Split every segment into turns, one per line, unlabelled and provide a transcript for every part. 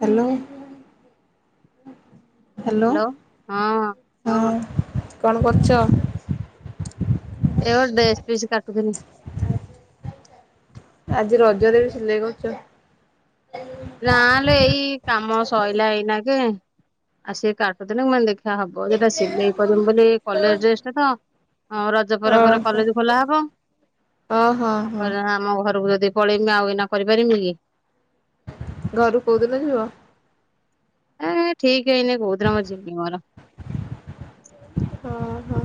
Hello. Hello ହଁ। କଣ କରୁଛ?
ଏଇ ଡ୍ରେସ ବିସି କାଟୁ ଥିଲି।
ଆଜି ରଜରେ ବି ସିଲେଇ କରୁଛ?
ନାଆଲେ ଏଇ କାମ ସଇଲା ଏଇନା ଯେ ଆସି କାଟୁଥିଲି ମୁଁ କହିଲ ଦେଖି ଟାଆ ହବ ସେଟା ସିଲେଇ କରିବ ବୋଲି କଲେଜ ଡ୍ରେସ ଟା ତ। ହଁ ରଜ ପରେ ପରେ
ଓହୋ
କଲେଜ ଖୋଲା ହବ
ହଁ ହଁ
ଆଉ
ହଁ
କ ଆମ ଘରକୁ ଯଦି ଯଦି ପଳେଇମି ଆଉ ଏଇନା କରିପାରମି କି?
ଘରୁ କୋଉଦିନ ଯିବ
ଏ ଠିକ ହେଇନି କୋଉଦିନ ମୁଁଯିବି ମୋର
ଓହୋ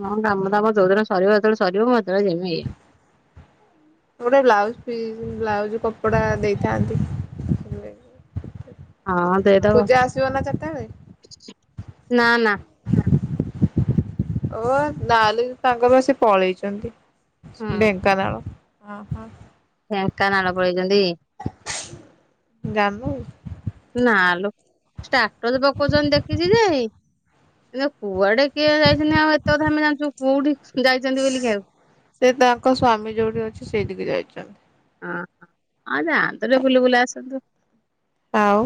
ହଁ କାମଦାମ ଯୋଉଦିନ ସରିବ ସେତେବେଳେ ସରିବ ମତେ
ଗୋଟେ ବ୍ଲାଉଜ ପିସ ବ୍ଲାଉଜ କ କପଡ଼ା ଦେଇଥାନ୍ତି ସିଲେଇ
ହଁ
କରିବାକୁ
ଦେଇଦବ
ପୂଜା ଆସିବ ନା ଚାରିଟା ବଳେ
ନା ନା
ଓ ନହେଲେ ତାଙ୍କର ସେ ପଳେଇଛନ୍ତି।
ହୁଁ
ଢେଙ୍କାନାଳ ଓ ହୋ।
ଢେଙ୍କାନନାଳ ପଳେଇଛନ୍ତି।
ଯାଣିଲ
ନା ଲୋ ସ୍ଟାଟସ ପକଉଛନ୍ତି ଦେଖିଛି ଯେ ହେଲେ କୁଆଡେ କିଏ ଯାଇଛନ୍ତି ଆଉ ଏତ କଥା ଆମେ ଜା ତୁ କୋଉଠି ଯାଇଛନ୍ତି ବୋଲିକି ଆଉ
ସେ ତାଙ୍କ ସ୍ଵାମୀ ଯୋଉଠି ଅଛି ସେଇଠିକି ଯାଇଛନ୍ତି।
ଅ ହଁ ହଁ ଯାଆନ୍ତୁ ତରେ ବୁଲା ବୁଲି କରି ଆସନ୍ତୁ।
ଆଉ।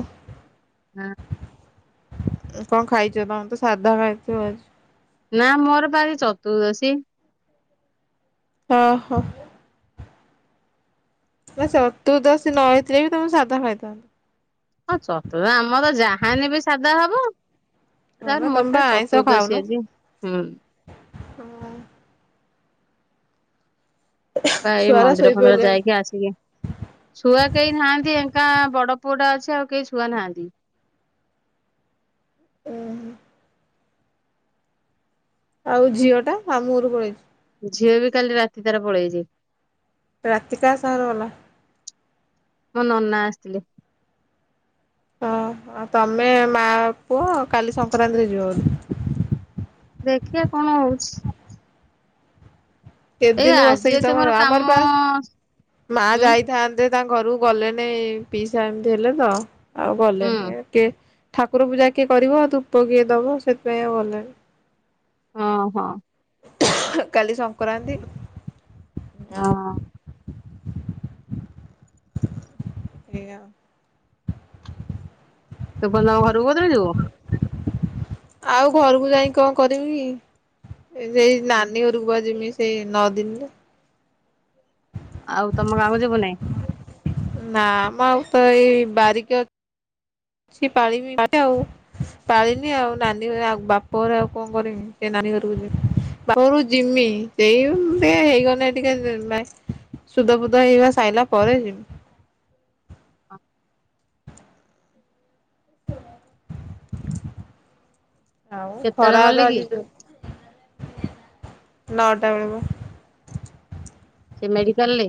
କଣ ଖାଇଛ? ତମେ ତ ସାଧା ଖାଇଥିବ ଆଜି।
ନା ମୋର ପା ଆଜି ଚତୁର୍ଦ୍ଦଶୀ।
ଅ ହୋ। ନା ଚର୍ତୁଦଶୀ ନ ହେଇଥିଲେ ବି ତମେ ସାଧା ଖାଇଥାନ୍ତ।
ହଁ ଚତୁଦ ଆମର ଯାହାହେନେ ବି ସାଧା ହବ।
ହଁ ବା
ତାପରେ
ତମେ
ମୋର
ବା
ପରା
ଆଇଁଷ ଖାଉନ।
ଚତୁର୍ଦ୍ଦଶୀ ଆଜି। ହୁଁ।
[unintelligible]
ପା ଏ
ଛୁଆରା
ମନ୍ଦିର ଫନ୍ଦିର
ଶୋଇପଇଲେଣି।
ଯାଇକି ଆସିକି ଛୁଆ କେହି ନାହାନ୍ତି ଏ କା ବଡ ପୁଅ ଟା ଅଛି ଆଉ କେହି ଛୁଆ ନାହାନ୍ତି।
[unintelligible] ଆଉ ଝିଅ ଟା ମାମୁଁ ଘରକୁ ପଳେଇଛି।
ଝିଅ ବି କାଲି ରାତି ତାର ପଳେଇଛି।
ରାତି କାହା ସାଙ୍ଗରେ ଗଲା?
ମୋ ନନା ଆସିଥିଲେ।
ହଁ ଆଉ ତମେ ମା ପୁଅ କାଲି ସଂକ୍ରାନ୍ତିରେ ଯିବ ବୋଧେ
ଦେଖିଆ କଣ ହଉଛି।
କେତେ
ଏଇ
ଦିନ
ଆଜି
ବସେଇକି
ଏତେ ମୋର
ତମର
କାମ
ଆମର ପା ମା
ଉଁ
ଯାଇଥାନ୍ତେ ତାଙ୍କ ଘରକୁ ଗଲେ ନେଇ ପିଇସା ଏମିତି ହେଲେ ତ ଆଉ
ହୁଁ
ଗଲେନି କିଏ ଠାକୁର ପୂଜା କିଏ କରିବ, ଆଉ ଧୂପ କିଏ ଦବ ସେଥିପାଇଁ ଆଉ ଗଲେନି।
ହଁ ହଁ।
କାଲି ସଂକ୍ରାନ୍ତି।
ହଁ।
[unintelligible]
ତୁ ଫୁଣି ତମ ଘରକୁ କୋଉଦିନ ଯିବୁ?
ଆଉ ଘରକୁ ଯାଇ କଣ କରିବି କି? ସେଇ ନାନୀ ଘରୁକୁୁ ପା ଜିବି। ସେ ନଅ ଦିନି ରେ
ଆଉ ତମ ଗାଁକୁ ଯିବୁ ନାଇଁ?
ନାଁ ମ ଆଉ ତ ଏଇ ପାଳିକ ସି ପାଳିିବି ଆଉ ପାଳିନି ଆଉ ନାନୀ ଆଉ ବାପ ଘରେ ଆଉ କଣ କରମି, ସେ ନାନୀ ଘରକୁ ଯିବି ବାପ ଘରକୁ ଯିମି ସେଇ ଟେ ହେଇଗଲେ ଟିକେ ମାନେ ଶୁଦ୍ଧଫୁଦ୍ଧ ହେଇହୁଆ ସାଇଲା ପରେ ଯିମି। [inaudible] ଆଉ
କେତେବେଳେ
ଖରା
ମଲେ
ତ
କି
ଆଜି ଜୋର୍ ନଅଟା ବେଳକୁ।
ସେ ମେଡିକାଲ ରେ।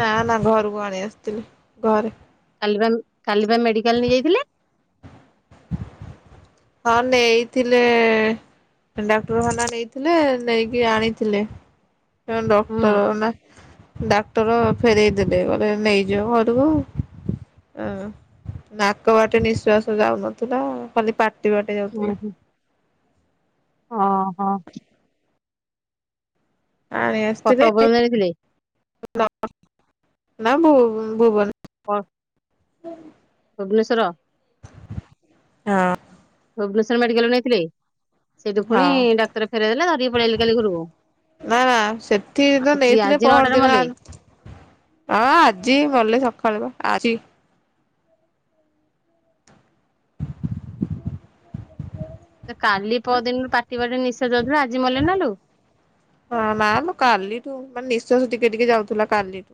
ନା ନା ଘରକୁ ଆଣି ଆସିଥିଲେ, ଘରେ।
କାଲି ବା କାଲି ବା ମେଡିକାଲ୍ ନେଇ ଯାଇଥିଲେ।
ହଁ ନେଇଥିଲେ ଡାକ୍ତରଖାନା ନେଇଥିଲେ ନେଇକି ଆଣିଥିଲେ।
ହୁଁ।
ଡକ୍ଟର ନା ଡା ଡକ୍ଟର ଫେରେଇ ଦେଲେ। କହିଲେ ନେଇଯାଅ ଘରକୁ ନାକ ବାଟେ ନିଶ୍ଵାସ ଯାଉନ [unintelligible]
ହୁଁ ହୁଁ ହଁ। ହଁ।
ଆଣି ଆସିଥିଲେ
ଫଟୋ ଅବର ଧାରଥିଲେ।
ନା ଭୁ ଭୁବନ।
ହଁ।
ହୁଁ।
ଭୁବନେଶ୍ଵର।
ହଁ।
ଭୁବନେଶ୍ୱର ମେଡିକାଲ ନେଇଥିଲେ। ସେଇଠୁ
ହଁ
ପୁଣି ଡାକ୍ତର ଫେରେଇଦେଲେ ଧରିକି ପଳେଇଆଇଲେ କାଲି ଘରକୁ
ନା ନା ସେଠିିନ
ଆଜି
ନେଇଥିଲେ
ଆଜି
ପହର
ନଅଟାରେ
ଦିନ
ମଲେ।
ହଁ ଆଜି ମଲେ ସକାଳେ ବା। ଆଜି।
କାଲି ପଦିନରୁ ପାଟିିବାଟେ ନିଶ୍ୱା ସେ
ହଁ ନା ମ କାଲିଠୁ ମାନେ ନି ଶ୍ୱାସ ଟିକେ ଟିକେ ଯାଉଥିଲା କାଲିଠୁ।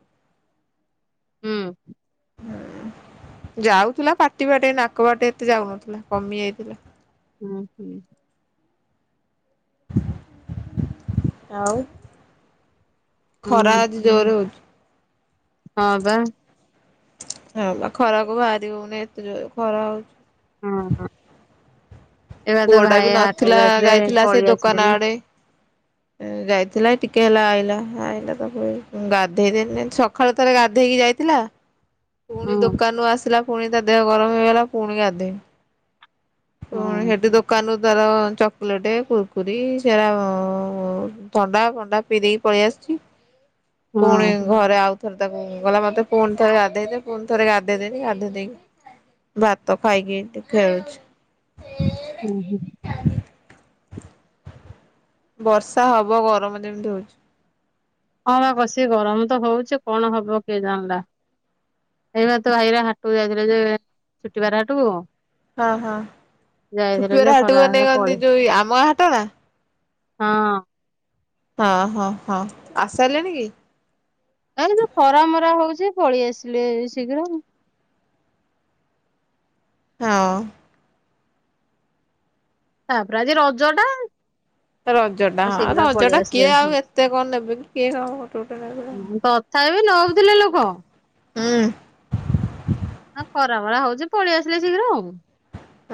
ହୁଁ।
ଯାଉଥିଲା ପାଟି ବାଟେ ନାକ ବାଟେ ଏତେ ଯାଉନଥିଲା କମି ଯାଇଥିଲା।
ହୁଁ ହୁଁ।
ଆଉ। ଖରା
ହୁଁ
ଆଜି ଜୋରେ ହଉଛି।
ହଁ ବା।
ହଁ ବା ଖରାକୁ ବାହାରି ହଉନି। ଏତେ ଜୋରେ ଖରା ହଉଛି।
ହଁ ହଁ।
ପୁଅ ଟା ବି ନଥିଲା ଯାଇଥିଲା। ସେ
ପଳେଇ
ଦୋକାନ
ଆସିଲେଣି ହୁଁ।
ଆଡେ ଯାଇଥିଲା ଟିକେ ହେଲା। ଗାଧେଇ ଦେନେ ସକାଳୁ ତଳେ ଗାଧେଇକି ଯାଇଥିଲା। ପୁଣି
ହଁ।
ଦୋକାନରୁ ଆସିଲା। ପୁଣି ତ ଦେହ ଗରମ ହେଇଗଲା। ପୁଣି ଗାଧେ ହୁ
ହଁ।
ହେଠୁ ଦୋକାନରୁ ତାର ଚ ଲେଟ କୁରକୁରି ସେଟା ଥଣ୍ଡା ଫଣ୍ଡା ପିଇ ଦେଇକି ପଳେଇ ଆସିଛି। ପୁଣି ଘରେ ଆଉ। ଥର ତାକୁ ଗଲା ମତେ ପୁଣି ଥରେ ଗା ଗାଧେଇ ଦେ ପୁଣି ଥରେ ଗାଧେଇଦେନି ଗାଧେଇ ଦେଇକି ଭାତ ଖୁଆଇକି ଏଇଟି ଖେଳୁଛି।
ହୁଁ ହୁଁ।
ବର୍ଷା ହବ ଗରମ ଯେମିତି ହଉଛି।
ହଁ ବା କସିକି ଗରମ ତ ହଉଛି କଣ ହବ କିଏ ଜାଣିଲା ଏଇବା ତୋ ଭାଇ ହେରିକା ହାଟକୁ ଯାଇଥିଲେ ଯେ ଛୁଟି ବାର ହାଟକୁ
ହଁ ହଁ
ଯାଇଥିଲେ ଯେ
ଛୁଟିବାର ହାଟକୁ
ଖରାରେ
ନେଇକନ୍ତି
ପଳେଇ
ଯୋଉ ଆମ ଗାଁ ହାଟ ନା
ହଁ।
ହଁ ହଁ ହଁ ଆସି ସାରିଲେଣି କି?
ଆ ଯୋଉ ଖରା ମରା ହଉଛି ପଳେଇ ଆସିଲେ ଶୀଘ୍ର।
ହଁ।
ତାପରେ ଆଜି ରଜଟା
ରଜଟା ହଁ ରଜଟା କିଏ ଆଉ ଏତେ କଣ ନେବେ କି କିଏ କଣ ଫଟ ଫଟ ନେବେ
ତଥାପି
ହୁଁ
ନଉଥିଲେ ଲୋକ ହଁ ଖରାବେଳେ ହଉଛି ପଳେଇଆସିଲେ ଶୀଘ୍ର ଆଉ।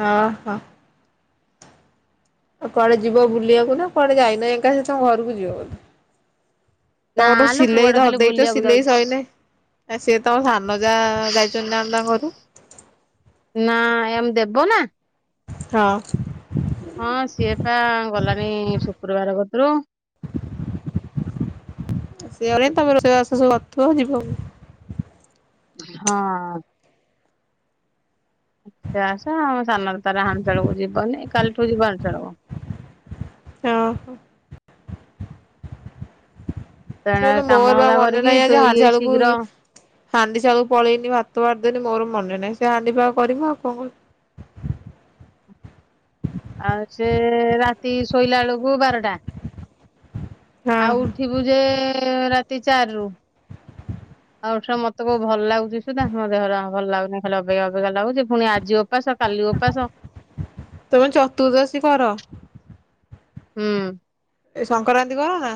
ହଁ ହଁ ଆଉ କୁଆଡେ ଯିବ ବୁଲିବାକୁ ନା କୁଆଡେ ଯାଇନ ଏକା ସେ ତ ଘରକୁ ଯିବ ବ
ନା
ତମର
ଲୋ
ସିଲେଇ
କୁଆଡେ
ଧରି
ଖାଲି
ଦେଇଛ
ବୁଲିବାକୁ
ସିଲେଇ
ଯାଉଛି
ସଇଲେ ଆ ସିଏ ତମ ସାନ ଯା ଯାଇଛନ୍ତି ନା ଆମେ ତା ଘରୁ
ନା ଏମ ଦେବ ନା
ହଁ
ହଁ ସିଏ ପା ଗଲାଣି ଶୁକ୍ରବାର କତରୁ
ସେ ଗଲେ ତମେ ରୋଷେଇବାସ ସବୁ କ ଥ ଯିବ କୁ
ହଁ ସେ ଆସ ଆମ ସାନର ତାର ହାଣ୍ଡିଶାଳକୁ ଯିବନି କାଲିଠୁ ଯିବ ହାଣ୍ଡିଶାଳକୁ।
ଓହୋ। ସେ
ତେଣେ
କହିଲା
କାମ
ମୋର ବା
ଧନ୍ଦା
ମନେ
କରିକି
ନାହିଁ
ତୁ
ଆଜି
ଇଏ
ହାଣ୍ଡିଶାଳକୁ
ଶୀଘ୍ର
ହାଣ୍ଡିଶାଳକୁ ପଳେଇନି ଭାତ ବାଢ଼ିଦେନି ମୋର ମନେ ନାହିଁ ସେ ହାଣ୍ଡି ପାଗ କରିବ ଆଉ କଣ କ
ଆଉ ସେ ରାତି ଶୋଇଲା ବେଳକୁ ବାରଟା ଆଉ
ହଁ
ଉଠିବୁ ଯେ ଏ ରାତି ଚାରି ରୁ ଆଉ ଉଠିଲେ ମତେ କୋଉ ଭଲ ଲାଗୁଛି ସୁଧା ମୋ ଦେହର ଭଲ ଲାଗୁନି ଖାଲି ଅବାଗିଆ ଅବାଗିଆ ଲାଗୁଛି ଫୁଣି ଆଜି ଓପାସ କାଲି ଓପାସ।
ତମେ ଚତୁର୍ଦ୍ଦଶୀ କର
ହୁଁ
ଏ ସଂକ୍ରାନ୍ତୀ କର ନା?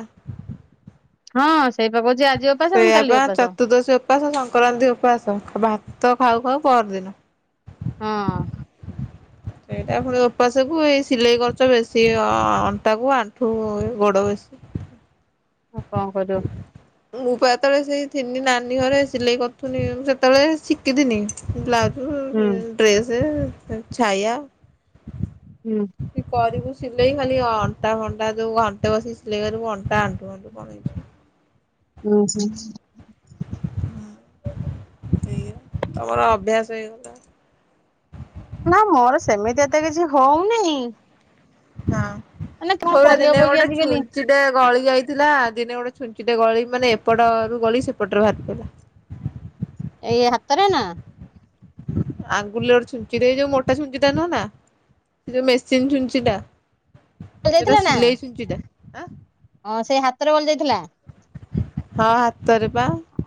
ହଁ ସେଇପା କହୁଛି ଆଜି ଓପାସ ପୁଣି
ସେୟା
କାଲି
ବା
ଓପାସ
ଚତୁର୍ଦ୍ଦଶୀ ଉପାସ ସଂକ୍ରାନ୍ତି ଉପାସ ଭାତ ଖାଉ ଖାଉ ପରଦିନ।
ହଁ
ସେଇଟା ଫୁଣି ଉପାସକୁ ଏଇ ସିଲେଇ କରୁଛ ବେଶୀ ଅଣ୍ଟାକୁ ଆଣ୍ଠୁ ଗୋଡ ବେଶୀ
ଆଉ କଣ କରିବ
ମୁଁ ପା ଯେତେବେଳେ ସେଇ ଥିନି ନାନୀ ଘରେ ସିଲେଇ କରୁଥିନି ମୁଁ ସେତେବେଳେ ଶିଖିଥିନି ବ୍ଲାଉ ହୁଁ ହୁଁ ହୁଁ ଡ୍ରେସେ ତ ଛାୟା
ହୁଁ
କି କରିବୁ ସିଲେଇ ଖାଲି ଅଣ୍ଟା ଫଣ୍ଟା ଘଣ୍ଟେ ବସି ସିଲେଇ କରିବୁ ଅଣ୍ଟା ଅ କୁହନ୍ତୁ କଣ ହେଇଛି?
ହୁଁ, ହୁଁ।
ସେୟା ତମର ଅଭ୍ୟାସ। ହେଇଗଲା।
ନା ମୋର ସେମିତି ଏତେ କିଛି ହଉନି।
ହଁ।
ମାନେ କଣ
ପୁରା ଦିନେ
କରିହବ କି
ଗୋଟେ
ଆଜିକାଲି
ଛୁଞ୍ଚିଟେ ଗଳି ଯାଇଥିଲା। ଦିନେ ଗୋଟେ ଛୁଞ୍ଚିଟେ ଗଳି ମାନେ ଏପଟରୁ ଗଳି ସେପଟରେ ବାହାରିଥିଲା।
ଏଇ ହାତରେ ନା?
ଆଙ୍ଗୁଳିର ଛୁଞ୍ଚିଟ ଏଇ ଯୋଉ ମୋଟା ଛୁଞ୍ଚି ଟା ନୁହଁ ନା? ସେ ଯୋଉ ମେସିନ୍ ଛୁଞ୍ଚି ଟା ସେଟା
ଯାଇଥିଲା ନା
ସିଲେଇ ଛୁଞ୍ଚିଟା। ଆ?
ହଁ ସେଇ ହାତରେ ବଲ ଯାଇଥିଲା।
ହଁ ହା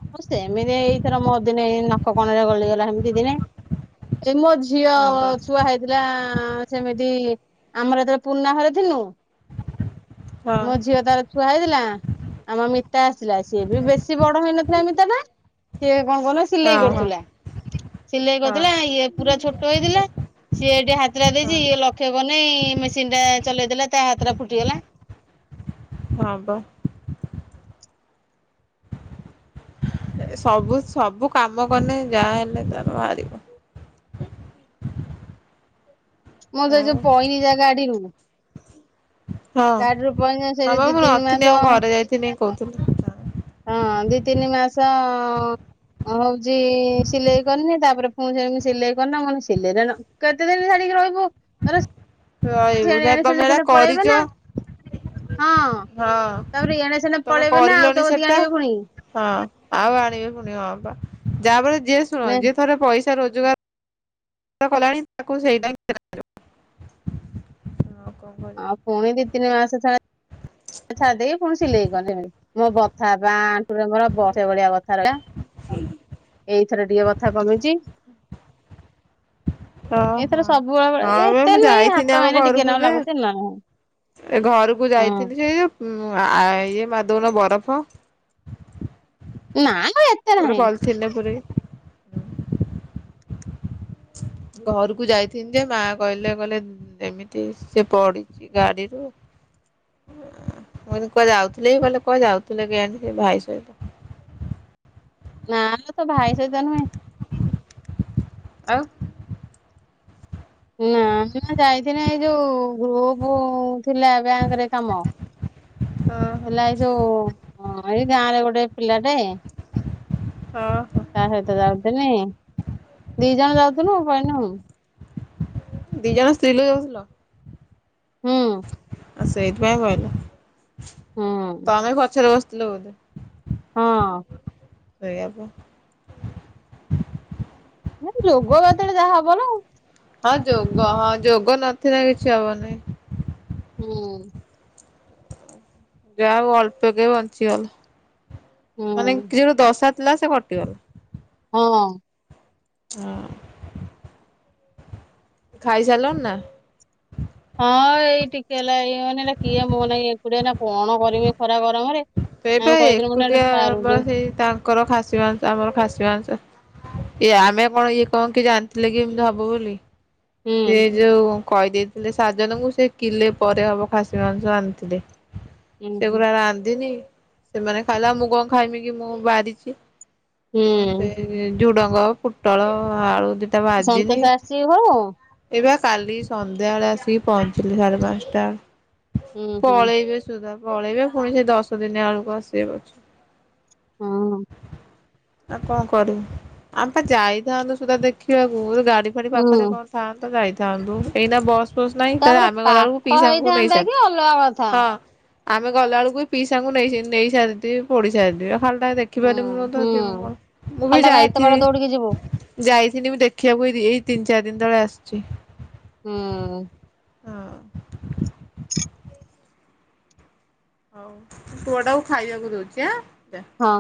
ହଉ ସେମିତି ଏଇଥର ମୋ ଦିନେ ଏଇ ନ କ-କଉ କଣରେ ଗଲିଗଲା ସେମିତି ଦିନେ। ସେ ମୋ ଝିଅ
ହଁ ପା
ଛୁଆ ହେଇଥିଲା ସେମିତି। ଆମର ଏତେବେଳେ ପୁର୍ଣ୍ଣା ଘରେ ଥିଲନୁ।
ହଁ ହଁ
ମୋ ଝିଅ ତାର ଛୁଆ ହେଇଥିଲା। ଆମ ମିତା ଆସିଲା ସିଏ ବି ବେଶୀ ବଡ ହେଇନଥିଲା ମିତା ଟା କଣ କହୁନ ସିଲେଇ
ହଁ।
କରୁଥିଲା। ସିଲେଇ
ହଁ
କରୁଥିଲା ଇଏ ପୁରା ଛୋଟ ହେଇଥିଲା। ସିଏ ଏଠି ହାତରେ ଦେଇଚି,
ହଁ
ଇଏ ଲକ୍ଷକରିନେଇ ଇ ମେସିନ ଟା ଚଲେଇ ଦେଲା ତା ହାତ ଟା ଫୁଟିଗଲା।
ହଁ ବା। ସବୁ ସବୁ କାମ କଲେ ଯାହା ହେଲେ ତାର ବାହାରିବ।
ମୁଁ ତ ଏ
ଆଉ
ଯଉ ପଇନି ଯା ଗାଡିରୁୁ ନା
ହଁ
ସେଠି
ଆମ,
ଦି
ମୁଁ
ତିନି
ନଥିଲି ଆମ
ମାସ
ଘରେ ଯାଇଥିଲି। କହୁଥିଲ।
ହଁ ଦି ତିନି ମାସ ହଉ ଚି ସିଲେଇ କରିନି, ତାପରେ ପୁଣି ସେ ସିଲେଇ କରିନି କଣ ସିଲେଇ ରେ କେତେ ଦିନ ଛାଡିକି ରହିବୁ। ଆରେ ସ
ରହିବୁ। ସେ ତମେ ଏଟା କରିଚ। [unintelligible]
ହଁ
ହଁ
ତାପରେ ଇଆଡେ ସିଆଡେ
ତମେ
ପଳେଇବେ ନା ଆଉ
କରିଲଣି
ତୋ କତିକି
ସେଟା।
ଆଣିବେ ପୁଣି
ହଁ ଆଉ ଆଣିବି ପୁଣି ହଁ ପା ଯାହାଫଳର ଯେ ଶୁଣ ଯିଏ ଥରେ ପଇସ ସା ରୋଜଗାର କଲାଣି ତାକୁ ସେଇଟା ଟାଇମ୍ [unintelligible]
ଆଉ ପୁଣି ଦି ତିନି ମାସେ ଛାଡି, ଛାଡିଦେଇକି ପୁଣି ସିଲେଇ କଲେ ମୋ ବଥା ବା ଆଣ୍ଠୁରେ ମୋର ବର୍ଷେ ବଳିଆ ବଥା ରହିଲା।
ହୁଁ
ଏଥର ଟିକେ ବଥା କମିଛି। ଏଥର
ଓହୋ
ସବୁବେଳେ ଏ
ହଁ ବେ
ଏତେ
ମୁଁ
ନୁହେଁ
ଯାଇଥିଲି
ହାତ
ଆମ
ମାଇଲେ
ଘରକୁ
ଟିକେନାକୁ
ଯେ
ଲାଗୁଛି ନହେଲେ ନାହିଁ
ଏ ଘରକୁ
ହଁ
ଯାଇଥିଲି ସେ ଯୋଉ ହୁଁ ଆ ଏ ମାରିଦଉନ ବରଫ।
ନାଆ
ଗୋଟେ ପଲଥିନରେ ପୁରେଇ ଘରୁକୁ ଯାଇଥିନି ଯେ ମା କହିଲେ କହିଲେ ଏମିତି ସେ ପଡିଛି ଗାଡିରୁ କୁଆଡେ ଯାଉଥିଲେ କିଆଡେ ଯାଉଥିଲେ କେଜାଣି ସେ ଭାଇ ସହିତ
ନା ଲୋ ତା ଭାଇ ସହିତ ନୁହେଁ।
ଆଉ
ନା ମୁଁ ଯାଇଥିନି ଏଇ ଯୋଉ ଗ୍ରୁପ୍ ଥିଲା ବ୍ୟାଙ୍କରେ କାମ
ଓହୋ
ଥିଲା ଏଇ ଯୋଉ ଏ ଗାଁରେ ଗୋଟେ ପିଲାଟେ
ହଁ ହଁ
ତା ସହିତ ଯାଉଥିଲି ଦି ଜଣ ଯାଉଥିଲୁ ପଇଲୁ। ହୁଁ।
ଦି ଜଣ ସ୍ତ୍ରୀ ଲୋକ ଯାଉଥିଲ?
ହୁଁ
ଆଉ ସେଇଥିପାଇଁ ପଇଲ।
ହୁଁ
ତମେ ପଛରେ ବ ଲୋ
ହଁ
ସେଇଆ ପା
ଯୋଗ ଯେତେବେଳେ ଯାହା ହବ ନାଉ।
ହଁ ଯୋଗ ହଁ ଯୋଗ ନଥିଲେ କିଛି ହବନି।
ହୁଁ
ଯା ହଉ ଅଳ୍ପ କେ ବଞ୍ଚିଗଲ।
ହୁଁ
ମାନେ କିଛି ଗୋ ଦଶା ଥିଲା ସେ କଟିଗଲା।
ହଁ
ହଁ ଖାଇସାରିଲଣି ନା?
ହଁ ଏଇ ଟିକେ ହେଲା ଏଇ ମାନେ ଏଇଟା କିଏ ମୋ ନାଗି ଏକୁଟିଆ କଣ କରିବେ ଏ ଖରା ଗରମରେ ଆମେ
ସେଇପାଇ
କହିଥିଲୁ ମୁଁ କହିଲି ଏଟା ପାରୁନି
ଏକୁଟିଆଇ ତାଙ୍କର ଖାସି ମାଂସ ଆମର ଖାସି ବାଂସ ଇଏ ଆମେ କଣ ଇଏ କହନ୍ତି ଜାଣିଥିଲେ କି ଏମତି ହବ ବୋଲି।
ହୁଁ
ସେ ଯୋଉ କହିଦେଇଥିଲେ ସେ ଖାଜାଦ ଙ୍କୁ ସେ କିଲେ ପରେ ହବ ଖାସି ମାଂସ ଆଣିଥିଲେ।
ହୁଁ ହୁଁ
ସେଗୁରା ରାନ୍ଧିଲି ସେମାନେ ଖାଇଲା ମୁଁ କଣ ଖାଇମି କି ମୁଁ ବାରିଛି।
ହୁଁ
[unintelligible] ଝୁଡଙ୍ଗ ପୁଟଳ ଆଳୁ ଦି
ସନ୍ତୋଷ ଆସିଛି କି ଘରକୁ?
ସନ୍ଧ୍ୟାବେଳେ ଆସିକି ପହୁଞ୍ଚିଲି ସାଡେ ପାଞ୍ଚଟା
ହୁଁ ହୁଁ
ପଳେଇଯିବେ ସୁଧା, ପଳେଇଵା ପୁଣି ସେ ଦଶ ଦିନ ଆଡ଼କୁ ଆସିଵା ଅଛି।
ହୁଁ
ଆଉ କଣ କରିବୁ, ଆମ ପା ଯାଇଥାନ୍ତୁ ସୁଧା ଦେଖିବାକୁ ଗା [unintelligible]
ହୁଁ
ହା ତ ଯାଇଥାନ୍ତୁ ଏଇନା ବସ
ତାପରେ ପାଖ ହେଇଥାନ୍ତା
ନେଇସାରି
କି ଅଲଗା କଥା।
ହଁ। ଆମେ ଗଲା ବେଳକୁ ପିସାଙ୍କୁ ନେଇ ନେଇ ସାରିଥିବେ ପୋଡିି ସାରିଥିବେ। ଭଲ ଭାବରେ
ହୁଁ
ଦେଖିବାରେ ମୁହ ତ
ହୁଁ
ଯିବୁ କଣ ମୁଁ ବି
ଖାଲିଟା କାଇଁ ଏତେ
ଯାଇଥିଲି
ବାଟ ଦୌଡିକି ଯିବୁ
ଯାଇଥିଲି ମୁ ଦେଖିବାକୁ ଏଇ ତି [inaudible] ଆସୁଛି
ହୁଁ,
ହଉ ପୁଅ ଟାକୁ ଖାଇବାକୁ ଦଉଛି ହାଁ।
ହଁ।